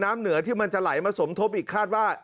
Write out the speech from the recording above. เหนือที่มันจะไหลมาสมทบอีกคาดว่า